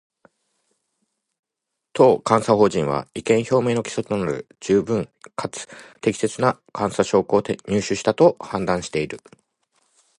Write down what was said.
当監査法人は、意見表明の基礎となる十分かつ適切な監査証拠を入手したと判断している